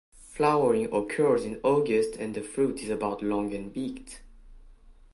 Flowering occurs in August and the fruit is about long and beaked.